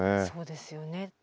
そうですよね。